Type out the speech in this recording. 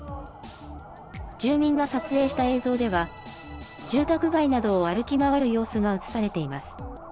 住民が撮影した映像では、住宅街などを歩き回る様子が写されています。